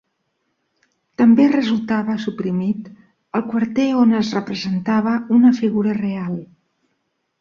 També resultava suprimit el quarter on es representava una figura real.